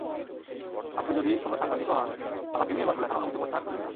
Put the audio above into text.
আপনি যদি কোন সাংবাদিকও হন, আমাকে নিয়ে গল্প লেখার অনুমতি প্রত্যাহার করে নিলাম।